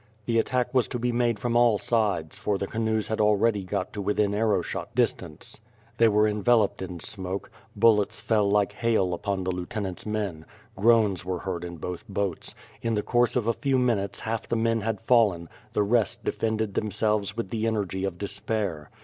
The attack was to be made from all sides, for the canoes had already got to within arrow shot distance. They were enveloped in smoke; bullets fell like hail upon the lieuten ant's men; groans were heard in both boats; in the course of a few minutes half the men had fallen; the rest defended themselves with the energy of despair.